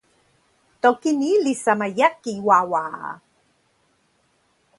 toki ni li sama jaki wawa a.